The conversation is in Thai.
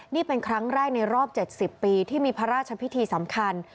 นี่เป็นครั้งแรกในรอบ๗๐ปีที่มีพระราชพิธีสำคัญ